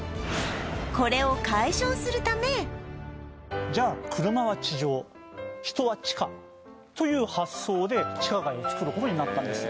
これをじゃあ車は地上人は地下という発想で地下街をつくることになったんです